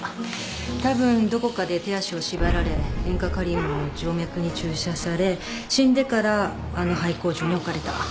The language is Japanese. たぶんどこかで手足を縛られ塩化カリウムを静脈に注射され死んでからあの廃工場に置かれた。